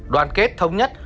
đoàn kết thống nhất